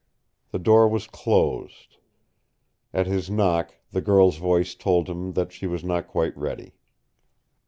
The door was closed. At his knock the girl's voice told him that she was not quite ready.